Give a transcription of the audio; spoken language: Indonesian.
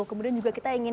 kemudian juga kita ingin